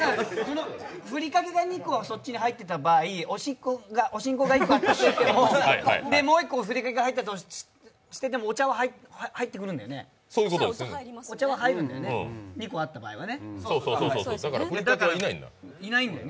ふりかけが２個そっちに入ってた場合おしんこが１個あって、でもう１個ふりかけ入っていたとしても、お茶は入るんだよね、お茶入るんだよね、２個あった場合はね。